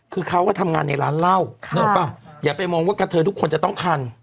คือเขาก็ทำงานในร้านเหล้านึกออกป่ะอย่าไปมองว่ากระเทยทุกคนจะต้องทัน